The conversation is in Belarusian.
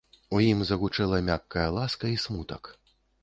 У ім загучэла мяккая ласка і смутак.